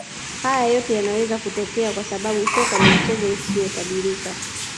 Haya yote yanaweza kutokea kwa sababu soka ni mchezo usiotabirika